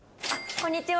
こんにちは。